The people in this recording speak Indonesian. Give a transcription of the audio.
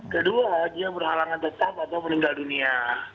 kedua dia berhalangan tetap atau meninggal dunia